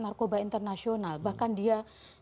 narkoba internasional bahkan dia